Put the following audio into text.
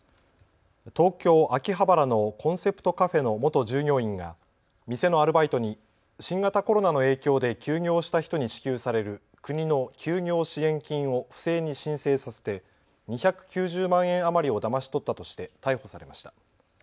東京秋葉原のコンセプトカフェの元従業員が店のアルバイトに新型コロナの影響で休業した人に支給される国の休業支援金を不正に申請させて２９０万円余りをだまし取ったとして逮捕されました。